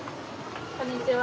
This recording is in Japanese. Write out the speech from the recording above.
こんにちは。